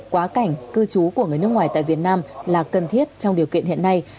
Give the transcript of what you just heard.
quá cảnh cư trú của người nước ngoài tại việt nam là cần thiết trong điều kiện hiện nay